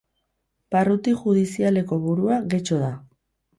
Barruti judizialeko burua Getxo da.